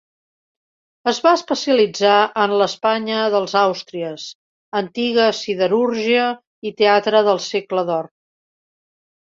Es va especialitzar en l'Espanya dels Àustries, antiga siderúrgia i teatre del segle d'Or.